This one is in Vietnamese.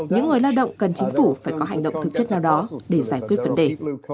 những người lao động cần chính phủ phải có hành động thực chất nào đó để giải quyết vấn đề